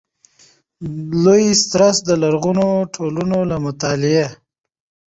''لېوي ستراس د لرغونو ټولنو له مطالعې